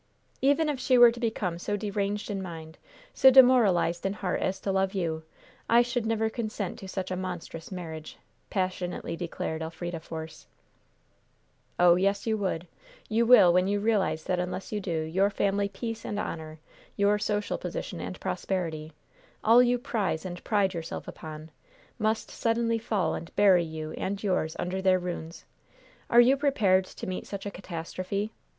"Even if she were to become so deranged in mind, so demoralized in heart as to love you, I should never consent to such a monstrous marriage!" passionately declared Elfrida Force. "Oh, yes you would! You will, when you realize that unless you do, your family peace and honor, your social position and prosperity all you prize and pride yourself upon must suddenly fall and bury you and yours under their ruins. Are you prepared to meet such a catastrophe?